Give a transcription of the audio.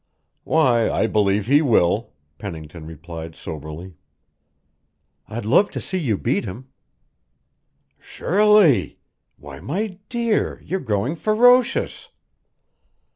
"Why, I believe he will," Pennington replied soberly. "I'd love to see you beat him." "Shirley! Why, my dear, you're growing ferocious."